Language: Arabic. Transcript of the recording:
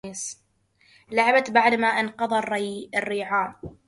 لعبت بعد ما انقضى الريعان